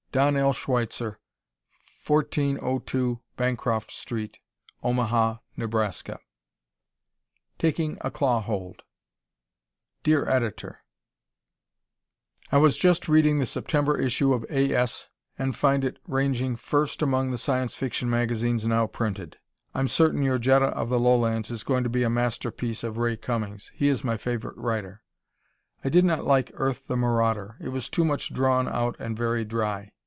Don L. Schweitzer, 1402 Bancroft St., Omaha, Nebr. "Taking a Claw Hold" Dear Editor: Was just reading the September issue of A. S. and find it ranging first among the Science Fiction magazines now printed. I'm certain your "Jetta of the Lowlands" is going to be a masterpiece of Ray Cummings. He is my favorite writer. I did not like "Earth, the Marauder." It was too much drawn out and very dry.